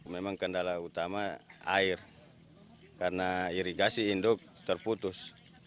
memang kendala utama air karena irigasi induk terputus